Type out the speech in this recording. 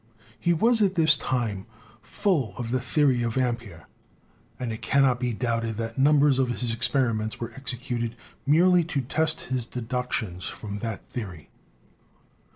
He was at this time full of the theory of Ampere, and it can not be doubted that numbers of his experiments were exe cuted merely to test his deductions from that theory."